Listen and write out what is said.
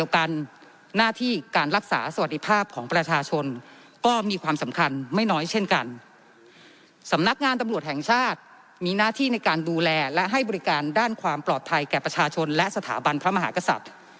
สำนักงานตำรวจแห่งชาติมีหน้าที่ในการดูแลและให้บริการด้านความปลอดภัยแก่ประชาชนและสถาบันพระมหากษัตริย์